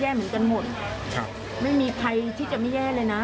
เหมือนกันหมดครับไม่มีใครที่จะไม่แย่เลยนะ